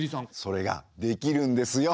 それができるんですよ。